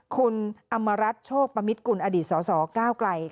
คุณอำมารัฐโชคปมิตกุลอดีตสสก้าวไกล